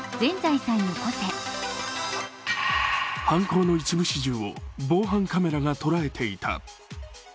犯行の一部始終を防犯カメラが捉えていた。